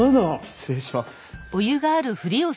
失礼します。